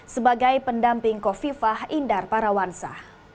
sebagai pendamping kofifah indar parawansa